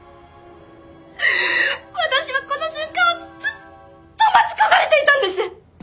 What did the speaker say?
私はこの瞬間をずっと待ち焦がれていたんです！